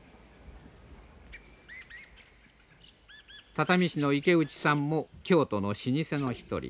畳師の池内さんも京都の老舗の一人。